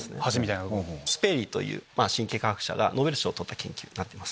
スペリーという神経科学者がノーベル賞を取った研究です。